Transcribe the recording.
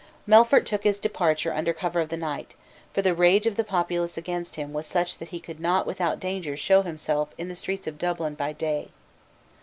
Melfort took his departure under cover of the night: for the rage of the populace against him was such that he could not without danger show himself in the streets of Dublin by day.